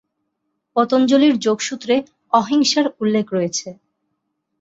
পতঞ্জলির যোগসূত্রে অহিংসার উল্লেখ রয়েছে।